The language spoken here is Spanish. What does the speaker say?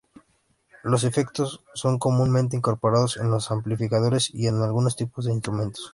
Los efectos son comúnmente incorporados en los amplificadores y en algunos tipos de instrumentos.